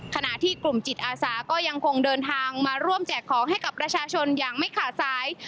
ขณะที่กลุ่มจิตอาสาก็ยังคงเดินทางมาร่วมแจกของให้กับประชาชนอย่างไม่ขาดสาย